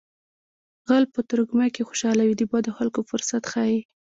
غل په ترږمۍ کې خوشحاله وي د بدو خلکو فرصت ښيي